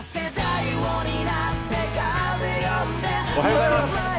おはようございます。